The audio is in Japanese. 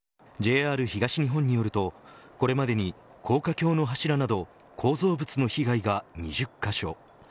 ＪＲ東日本によるとこれまでに高架橋の柱など構造物の被害が２０カ所。